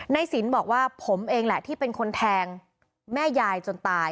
สินบอกว่าผมเองแหละที่เป็นคนแทงแม่ยายจนตาย